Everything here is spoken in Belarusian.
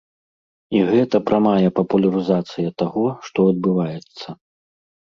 І гэта прамая папулярызацыя таго, што адбываецца.